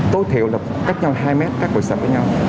tối thiểu là cách nhau hai mét các buổi sạp với nhau